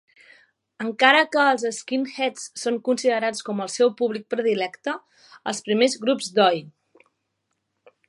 Encara que els skinheads són considerats com el seu públic predilecte, els primers grups d'Oi!